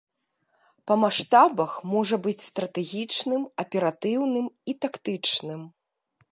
Па маштабах можа быць стратэгічным, аператыўным і тактычным.